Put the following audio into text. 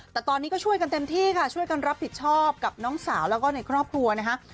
แต่ตอนนี้ก็ช่วยกันเต็มที่ค่ะช่วยกันรับผิดชอบกับน้องสาวแล้วก็ในครอบครัวนะคะ